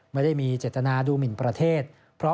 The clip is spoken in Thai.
ไม่ได้มีเจตนาดูหมินประเทศ